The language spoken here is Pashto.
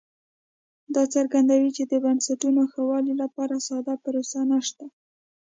دا څرګندوي چې د بنسټونو ښه والي لپاره ساده پروسه نشته